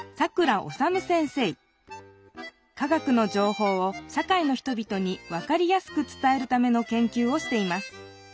科学のじょうほうを社会の人びとに分かりやすく伝えるためのけんきゅうをしています。